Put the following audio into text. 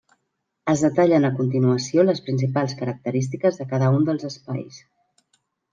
Es detallen a continuació les principals característiques de cada un dels espais.